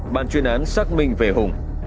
bàn chuyên án xác minh về hùng